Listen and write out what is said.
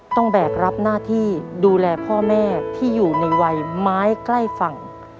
แบกรับหน้าที่ดูแลพ่อแม่ที่อยู่ในวัยไม้ใกล้ฝั่ง